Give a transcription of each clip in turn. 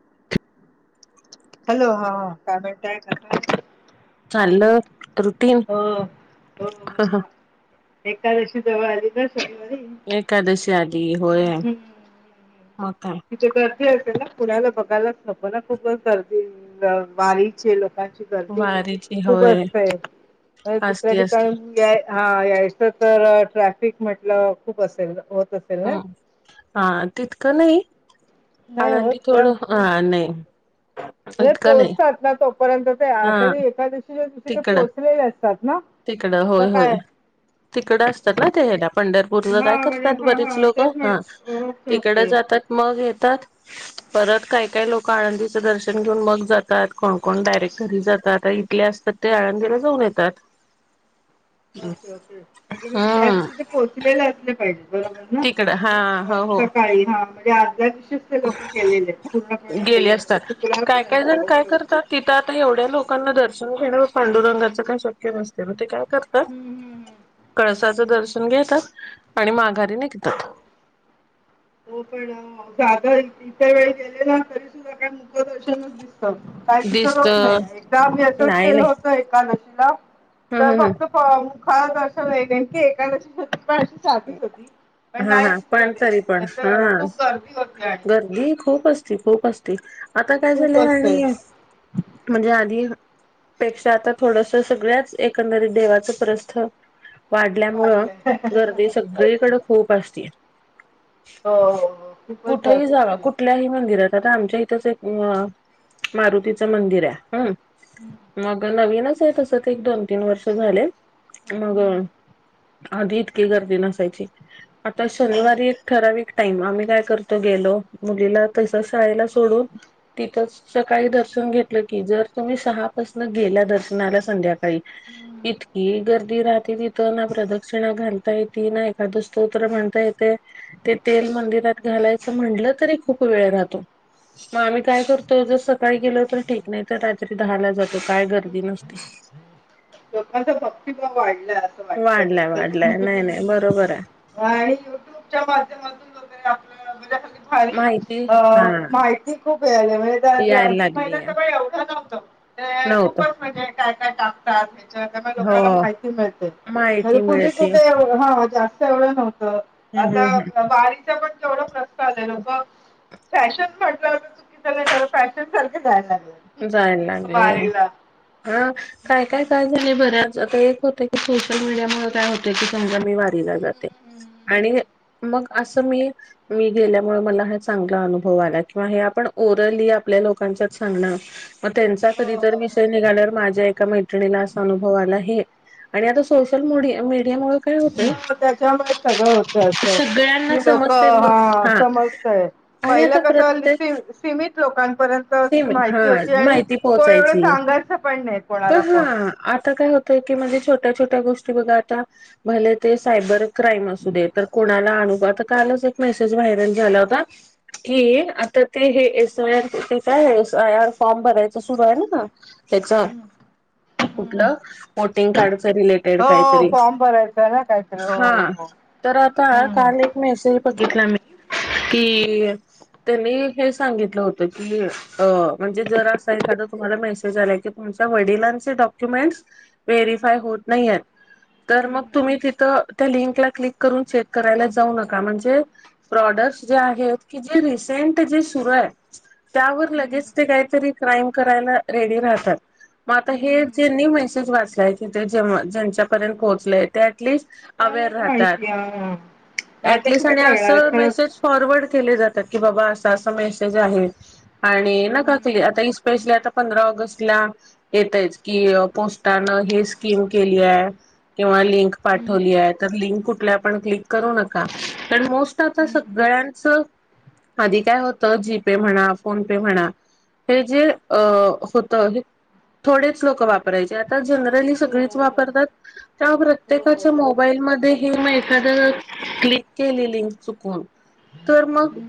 [unintelligible] Hello हा काय म्हणताय का? चाललं रुटीन हो हो ह ह. एकादशी दुवारी ना शनिवारी एकादशी आधी होय हम्म म काय? तिथे गर्दी असेल ना पुण्याला बघायलाच नको ना खूपच गर्दी वारीचे लोक. लकची गर्दी वारीची खूप होय असते दुसऱ्या असती असती ठिकाण या. हा यायचं तर ट्रॅफिक म्हटलं खूप असेल होत अस. हम् हा तितकं नाही. नाही होत आळंदी का थोडं नाही. इतकं नाही पोहोचतात ना तोपर्यंत ते हा आषाढी एखकादशीच्या दिवशी ते तिकडं पोहोचलेले असतात ना. तिकडं होय, तर होय काय तिकडं असतात ना ते ह ना पंढरपूरला काय हां, म्हणजे करतात हां, बरीच हां. लोक तेच हा म्हट ओके, ओके तिकडे जातात मग येतात. परत काय काय लोक आनंदीचं दर्शन घेऊन मग जातात कोणकण डायरेक्ट घरी जातात इथले असतात ते आळंदीला जाऊन येतात. ओके, ओके म्हटले म्हणजे त्या हम्म दिवशी ते पोहोचलेले असले पाहिजे बरोबर ना? तिकडं हा हो हो सकाळी हा म्हणजे आदल्या दिवशी गेले असतात. काय काय शुक्रवारपर्यंत. जण ओके, काय ओके, ओके. करतात ति तर आता एवढ्या लोकांना दर्शन घेण्यावर पांडुरंगाचं काही शक्य नसते मग ते काय करते हं, हं, हं. कळसाचं दर्शन घेतात आणि माघारी निघतात. हो पण आता इत्या वेळ गेले ना तरी सुद्धा काय मुक दर्शनच दिसतात काही विसर दिसत होत नाही. एकदा नाही गेलं नाही होत एकादशीला ह तर ह ह फक्त [inaudible] तू जाते कधी? पण हा नाही हा पण तरी पण दिसत हा ते खूप गर्दी होते गर्दी खूप असती खूप असती आता काय खूप झालंय असते आणि म्हणजे आधी पेक्षा आता थोडस सगळ्याच एकंदरीत देवाचं प्रस्थ वाढल्यामुळं वाढलंय गर्दी सगळीकडे खूप असती. हो हो हो, खूपच कुठही गर्दी जाग असते हम्म, कुठल्याही मंदिरात आता आमच्या इ एक मारुतीच मंदिर हाय हम मग नवीनच आहे त दोन तीन वर्ष झालेत मग हम्म, आधी इतकी गर्दी न यची. आता हम्म. शनिवारी ठराविक टाईम आम्ही काय करतो गेलो. मुलीला तस शाळेला सोडून तिथंच सकाळी दर्शन घेतलं की जर तुम्ही सहापासन गेला दर्शनाला संध्या काळी, इतकी गर्दी राहते तिथं ना प्रदक्षिणा घालता ये ती ना एखादं स्तोत्र म्हणता येतय. ते तेल मंदिरात घालायचं म्हटलं तरी खूप वेळ राहतो मग आम्ही काय करतो जर सकाळी गेलो तर ठीक नाही तर रात्री दहाला जातो काय गर्दी नसते हम्म लोकांचा भक्तीभाव वाढला असं वाटत बघ वाढलाय ते वाढलाय नाही नाही बरोबर आहे आणि युट्यूबच्या माध्यमातून लोक आपलं म्हणजे आपल भारी माहिती अ हा माहिती खूप मिळते यायला अधिक महिन्या लागली आहे. सगंळ एवढा नव्हत. ते नव्हतं खूपच म्हणजे काय काय टाकतात. लोकांना हो माहिती मिळते. हो माहिती पूर्वी मिळते कुठे एवढ ह जास्त एवढं नव्हतं हम्म हम्म आता वारीचा पण केवढा प्रस्त आलेल बघ फॅशन म्हटलं चुकीचं नाही त्याला फॅशन सारखं जायला लागणार जायला लागलेय ह काय हम्म काय हम्म. कायचं नाही बऱ्याच आता एक होतं की सोशल मीडिया म काय होत तेथ समजा मी वारीला हम्म जाते हम्म हम्म आणि हम्म. मग असं मी मी गेल्यामुळे मला हा चांगला अनुभव आला किंवा हे आपण ओरली आपल्या लोकांच्यात सांगणार. मग त्यांचा हो कधी तर हो विषय निघाल्यावर हो. माझ्या एका मै अनुभव आला हे आणि आता सोशल मीडिया मीडियानवर त्याच्यामुळे सगळं होतं अस सगळ्यांना कि लोक समजतय मग हा समजतय. आणि पहिलं आता प्रत्येक कस सीमित लोकांपर्यंत सेम हा माहिती होती आणि माहिती को एवढं पोहोचायची सांगायचं पण नाही पण कोणाला कोण. हा आता काय होतय की म्हणजे छोट्या छोट्या गोष्टी बघा आता झाले ते सायबर क्राईम असू दे तर कोणाला अनुभवं, कालच एक मेसेज व्हायरल झाला होता कि आता ते हे एफ आय आर काय आहे एफ आय आर फॉर्म भरायच सुरू आहे ना त्या त्याचा हम्म कुठलं वोटिंग कार्डच रिलेटेड हो काहीतरी, फॉर्म भरायचा ना काहीतरी हो हा हो हो तर आता हम्म हम्म काल एक मेसेज बघितला मी कि त्यांनी हे सांगितलं होतं कि अ म्हणजे जर असा एखादा तुम्हाला मेसेज आला की तुमच्या वडिलांचे डॉक्युमेंट्स व्हेरीफाय होत नाही तर मग तुम्ही तिथ त्या लिंकला क्लिक करून चेक करायला जाऊ नका म्हणजे प्रॉडक् जे आहेत की जे रिसेंट जे सुरू आहे त्याव लगेच ते काहीतरी क्राईम कराय रेडी राहतात मग आता हे ज्यानी हम्म मेसेज वाचलाय किथ जे ज्यांच्यापर्यंत पोहोचलेय त्यातलीच अवेर त्यालाच राहतात माहिती हा आता याटलिस्ट कुठे आणि अस कळणार खरंच मेसेज फॉरवर्ड केले जातात की बाबा असा असा मेसेज आहे आणि नका हम्म कली आता इपेशलला आता पंधरा ऑगस्टला येतयच की पोस्टानं हे स्कीम केली आहे किंवा लिंक पाठवली आहे तर लिंक कुठल्या पण क्लिक करू नका पण मोस्ट आता हम्म सगळ्यांचं आधी काय होतं जीपे म्हणा फोन पे म्हणा हे जे होत हे थोडेच लोक वापर पराचे आता जनरली हो सगळीच हो वापरतात आता हो हो हो प्रत्येकाच्या हो मोबाईलमध्ये हे मे एखाद्याच क्लिक केलेली लिंक चुकून तर मग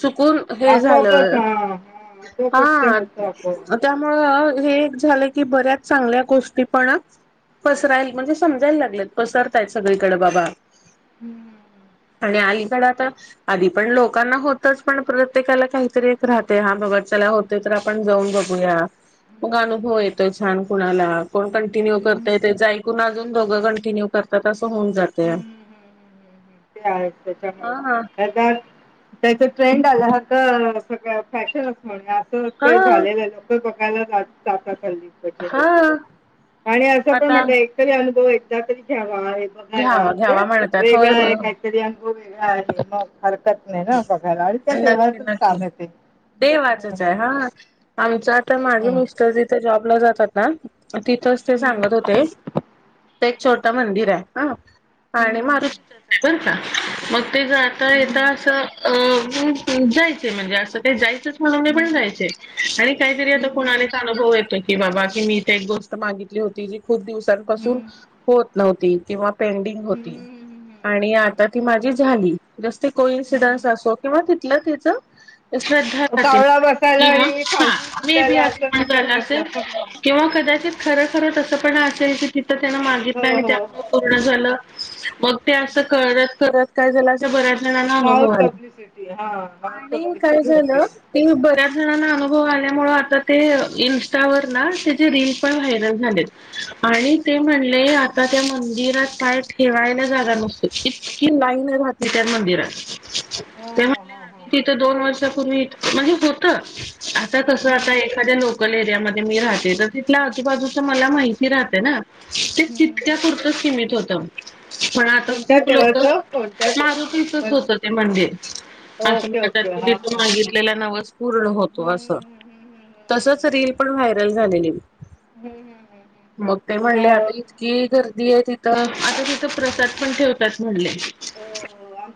चुकून हे आसोबाच झालं आ हा आपोआपच ते हा होतं आपोआप त्यामुळं हे एक झालं की बऱ्याच चांगल्या गोष्टी पण पसरायला म्हणजे समजायला लागलेत पसरतायत सगळीकडें बाबा आणि अलीकड आता आधी पण लोकांना होतच पण प्रत्येकाला काहीतरी राहतय हा बाबा चला होतय तर आपण जाऊन बघूया हम्म. मग अनुभव येतो छान कुणाला कोण कंटिन्यू हम्म, करतय त्याच आयकून अजून दोघं कंटिन्यू करत तसं होऊन जाते ह ह हम ते आहेच त्याच्या हा मुळे त्याच ट्रेंड आलं तर सगळ फॅशनच म्हण त ते हा झालेलं लोक बघायला जातात हा हल्ली आणि असं पण आता म्हटलं एकतरी अनुभव एकदा तरी घ्यावा आहे बगायेला घ्यावा मंजे घ्यावा म्हणतात होय वेगळा होय आहे काहीतरी अनुभव वेगळा आहे मग हरकत नाही ना बघायला आणि त्या होय नक्की देवाचंच नक्की काम आहे ते देवाचच हम्म आहे हा आमच्यात माझे मिस्टर ते जॉबला जातात ना तिथंच ते हम्म सांगत होते तीत एक छोटं मंदिर हा हम्म आणि हम्म मारुतीच आहे बर का मग ते ज तर येेत हम्म असं अ जायचं म्हणजे असं काही जायचं म्हणुन मी हम्म पण हम्म हम्म जायचे आणि काहीतरी आता हम्म हम्म हम्म हम्म कोणाला एक अनुभव येतोय कि बाबा की मी इथे एक गोष्ट मागितली होती जी खूप हम्म दिवसांपासून हम्म. होत नव्हती किंवा पेंडिंग होती हम्म हम्म आणि आता ती माझी झाली रसते हम्म. कोइन्सिडंट्स असो किंवा तिथलया तिथ श्रद्धा जील कावळा बसायला किंवा आणि हा फांदी मे बी सुटायला आस असं काय म्हणतात झाला असेल तसं किंवा कदाचित खरंखर तसं पण असेल कि तिथं त्यांन मागितलं हो आणि हो त्यामुळ पुना झाल मग ते अस करत करत काय झालं बरा नव्यानं माऊथ आल पब्लिसिटी हा माऊथ आणि काय पब्लिसिटी होते झालं ते बऱ्याच जणांना अनुभव आल्या मूळ आता ते इन्स्टावर ना त्याचे रील पण व्हायरल झालेत आणि ते म्हणले आता त्या मंदिरात काय ठेवायला जागा नस इतकी लाईन राहातली त्या मंदिरात हो ते हो म्हणाले हो हो आधी हो तिथं दोन वर्षापूर्वी म्हणजे होत आस तस आता हम्म, एखाद्या नव लोकल एरिया मी राहते तर तथल्या आजूबाजूच मला माहिती राहतं ना ते हम्म. तितक्या पूर्त सीमित होत पण आता कोणत्या खूप लोक देवाचं कोणत्या दे मारुतीच पण होत ते मंदिर. ओके ओके [unintelligible] हा तिथ हा मागितलेला नवस पूर्ण होतो हम्म, असं. हम्म, हम्म, तसच रील पण व्हायरल झालेली हम्म, हम्म, हम्म, हम्म, हम्म, मग ते हम्म. म्हणले हो आता इथ कि गर्दी आहे तिथं आता तिथं प्रसाद पण ठेवतात म्हणले.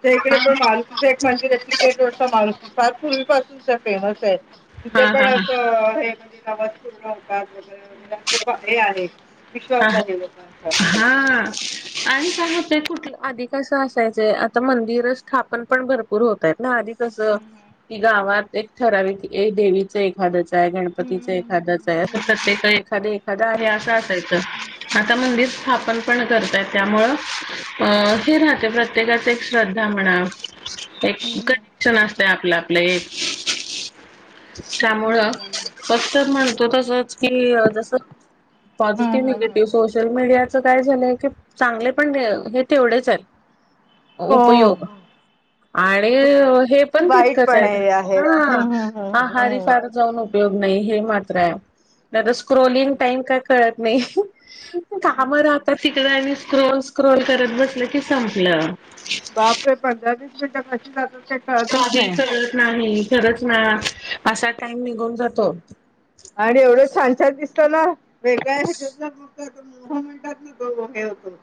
त्या इकडे पण मारुतीचं एक मंदिर आहे तिकेट रडचा मारुती फार पूर्वीपसूनचा फेमस आहे. हा तिथ पण हा हा असं हे म्हणजे नवस पूर्ण होतात वगैरे वगैरे असं हे आहे. ह विश्वास हा आहे लोकांचा हा. आणि सांगात नाही कुठल आधि कसं असायचंय आता मंदिर स्थापन पण भरपूर होत तेत ना आधी कसं हम्म, कि गावात एक ठराविक ए देवीच एक एखाद्याच आहे गणपतीच हम्म, एखादंच आहे असं प्रत्येक एखादं एखादं आहे असं असायचं. आता मंदिर स्थापन पण करतय त्यामुंळ अ हे राहते प्रत्य प्रत्येकाच एक श्रद्धा म्हणा एक हम्म, हम्म, कनेक्शन असते आपलं आपलं एक. त्यामुळं हम्म. फक्त म्हणतो तसच की जस हम्म, पॉझिटिव्ह हम्म, हम्म. निगेटिव्ह सोशल मीडियाचं काय झालंय की चांगले पण हे तेवढेच आहेत. हो हो, उपयोग हो. आणि हे पण वाईट तितकंच पण आहेत हे हा. हम्म, हम्म, आहारी हम्म, हम्म. सार जाऊ न - - उपयोग नाही हे मात्र आहे नाहीतर स्क्रोलिंग हम्म, टाईम काय कळत नाही. काम हम्म. राहतात तिकड स्क्रोल स्क्रोल करत बसलं की संपलं. बापरे पंधरा वीस मिनटं बस काही कळत नाही खरच ना असा टाइम निघून जातो. आणि एवढं छान छान दिसत ना वेगळ हेज्यात जाऊन [unintelligible] मोह म्हणतात ना गो हे होतो.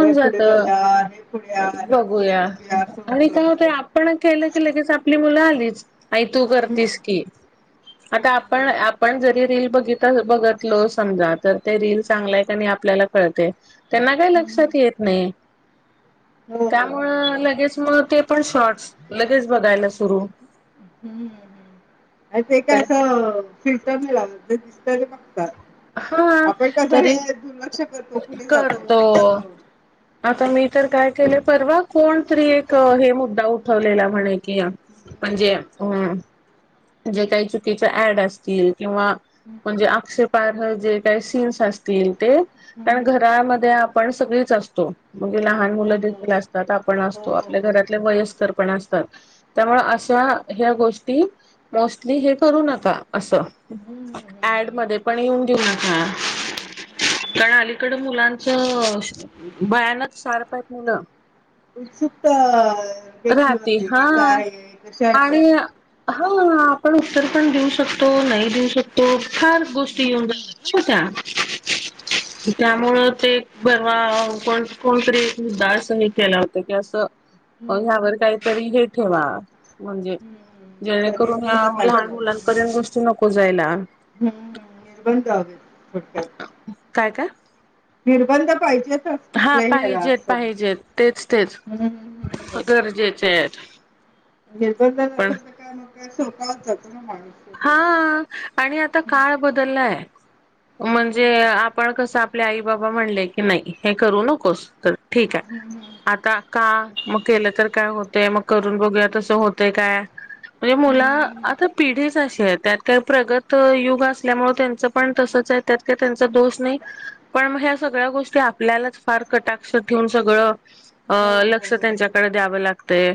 हे पुढे जात जाऊया हे पुढे हे पुढे बघूया असं होत अस. पण केलं की लगेच आपली मुलं आलीच आई तू हम्म करतीस की. आता हम्म आपण आपण जरी रील बघीत बघितलो समजा तर ते रील चांगला आहे की नई आपल्याला कळते त्यांना काय हम्म लक्षात येत नाही. हो हो त्यामुळ हो हो लगेच मग ते पण शॉर्टस लगेच बघायला सुरू. हम्म ह् अ ते ते काय तर असं फिल्टर नाही लावत ते दिसतय ते बघतात हा आपण कस तरी हे दुर्लक्ष करतो. पुढे जातो करतो. [inaudible] आता मी तर काय केले परवा कोणतरी एक हे मुद्दा उठवलेला म्हणे की म्हणजे अम् जे काही चुकीचे ऍड असतील किंवा म्हणजे आक्षेप पारह जे काही सीन्स असतील ते हम्म, कारण हम्म. घरामध्ये आपण सगळीच असतो. मग लहान हो मुलं हो देखील असतात आपण हो असतो हो आपल्या हो घरातले वयस्कर पण असतात त्यामुळे अशा ह्या गोष्टी मोस्टली हे करू नका असं. हम्म हम्म हम्म ऍड मध्ये हम्म पण येऊन देऊ नका. हम्म. कारण अलीकडं मुलांचं भयानक शार्प आहेत मुलं. उत्सुकता घेतली राहते होती हा काय आहे कशी आलीय. आणि हा आपण उत्तर पण देऊ शकतो नाही देऊ शकतो फार गोष्टी येऊन हम्म जातात. [unintelligible] [inaudible] की त्यामुळं ते परवा अ कोण कोणतरी एक मुद्दा असं हे केला होत की असं हम्म ह्यावर काहीतरी हे ठेवा म्हणजे हम्म जेणेकरून या निर्बंध पाहिजे लहान होते. मुलां पर्यंत गोष्टी हम्म नको जायला. हम्म निर् बंध जाऊ दे छोटं. काय काय? निर्बंध पाहिजेेत. हा,, पाहिजेेत पाहिजेत,, तेच तेच, हम्म हम्म हम्म. गरजेचे आहेत. [unintelligible] निर्बंध असेल पण तर कायदा सोपावत जातो ना माणूस. [unintelligible] हा,, आणि आता हम्म काळ बदललाय,, हम्म म्हणजे आपण कसंऽ [unintelligible] आपल्या आई बाबा म्हणले,, की नाही, हे करू नकोस,, तर ठीक आहेऽ [unintelligible] हम्म, हम् [unintelligible] आता का,,? मग केलं तर काय होतेय? मग करून बघूया तसं होते काय? [unintelligible] म्हणजे मुल,, हम्म. आता पिढीऽ [unintelligible] आशीय,,, त्यात काही प्रगत युग असल्यामुळे त्यांच पण तसच आहे, त्यात काही त्यांचा दोष नाही. पण मग ह्या सगळ्या गोष्टी आपल्यालाच फार कटाक्ष ठेवून सगळंऽ [unintelligible] अ हो हो लक्ष हो त्यांच्याकडे द्यावं लागतय,,,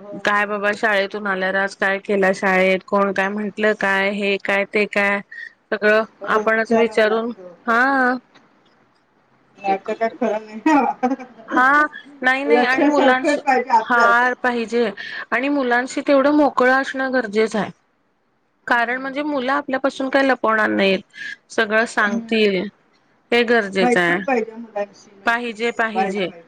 हो काय हो बाबा शाळेतून आल्यालाचऽ [unintelligible] काय केलास शाळेत?,, कोण काय म्हंटल काय? हे काय ते काय? [unintelligible] सगळं,, हो हो आपणच विचारावं विचारून,, लागतं हां. [unintelligible] नाही तर काय खर नाही. [unintelligible] हां,, नाही नाही,, लक्ष आणि मुलांच,, संस्कार पाहिजे आपलाच हारऽ [unintelligible] पाहिजे,, आणि मुलांशी तेवढं मोकळं असणं गरजेचं आहे. [unintelligible] कारण म्हणजे मुलं आपल्यापासून काही लपवणार नाहीत. [unintelligible] सगळं सांगतील,, हे गरजेचं मैत्री आहे,, पाहिजे मुलांशी मैत्री पाहिजेऽ [unintelligible] व्हायला पाहिजे. [unintelligible]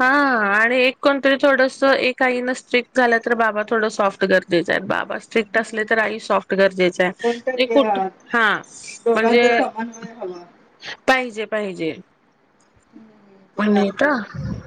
हां,, आणि एक कोणतरी थोडस,, एक आईनं स्ट्रिक्ट झालं, तर बाबा थोडं सॉफ्ट करऽ [unintelligible] जचा आहेत बा वास्ऽ [unintelligible] स्ट्रिक्ट असले तर, आई सॉफ्ट गरजेच आहे,, म्हे कोणतरी कुठ अ, हा म्हणजेऽ [unintelligible] हय हवा, [unintelligible] पाहिजे पाहिजे. [unintelligible] ते होणेेत. असतो [unintelligible] बरोबर